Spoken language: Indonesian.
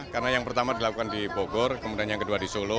karena yang pertama dilakukan di bogor kemudian yang kedua di solo